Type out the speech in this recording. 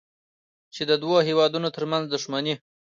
چې د دوو هېوادونو ترمنځ دوښمني